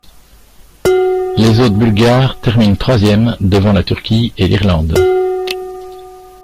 Les hôtes bulgares terminent troisième devant la Turquie et l'Irlande.